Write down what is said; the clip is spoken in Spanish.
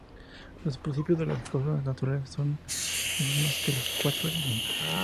Los principios de las cosas naturales no son más que los cuatro elementos.